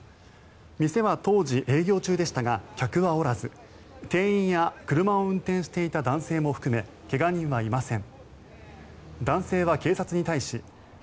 店は当時、営業中でしたが客はおらず店員や車を運転していた男性も含め怪我人はいません。